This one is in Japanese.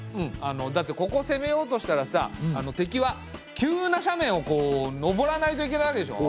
だってここを攻めようとしたらさ敵は急な斜面をこう登らないといけないわけでしょ。